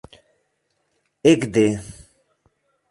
ekde